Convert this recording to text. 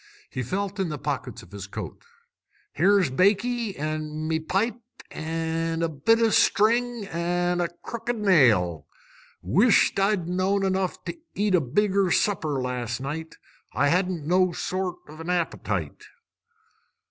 He felt in the pockets of his coat. "Here's baccy, an' me pipe, an' a bit o' string, an' a crooked nail! Wish't I'd know'd enough to eat a bigger supper last night! I hadn't no sort of an appetite."